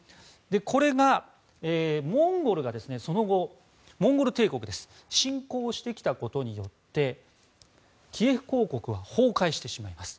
これがモンゴルがその後、モンゴル帝国が侵攻してきたことによってキエフ公国は崩壊してしまいます。